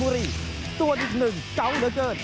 บุรีตัวนิดหนึ่งเกาะเหลือเกิน